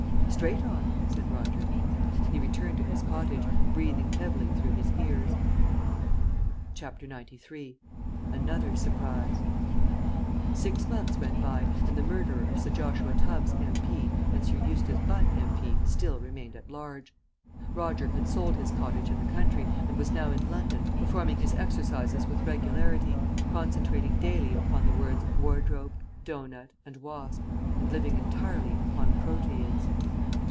"Straight on," said Roger. He returned to his cottage, breathing heavily through his ears. CHAPTER XCIII ANOTHER SURPRISE Six months went by, and the murderer of Sir Joshua Tubbs, M.P. and Sir Eustace Butt, M.P. still remained at large. Roger had sold his cottage in the country and was now in London, performing his exercises with regularity, concentrating daily upon the words "wardrobe," "dough nut," and "wasp," and living entirely upon proteids.